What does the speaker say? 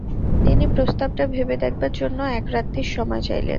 তিনি প্রস্তাবটা ভেবে দেখবার জন্য এক রাত্তির সময় চাইলেন।